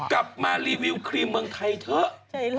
กลับมารีวิวครีมเมืองไทยเถอะ